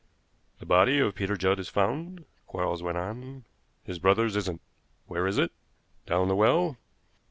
"The body of Peter Judd is found," Quarles went on, "his brother's isn't. Where is it? Down the well?